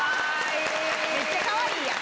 めっちゃかわいいやん。